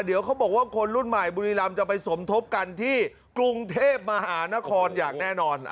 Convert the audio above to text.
เดี๋ยวเขาบอกว่าคนรุ่นใหม่บุรีรำจะไปสมทบกันที่กรุงเทพมหานครอย่างแน่นอน